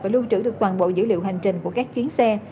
và lưu trữ được toàn bộ dữ liệu hành trình của các chuyến xe